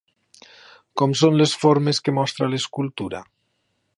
Com són les formes que mostra l'escultura?